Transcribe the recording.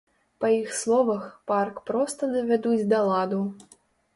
Па іх словах, парк проста давядуць да ладу.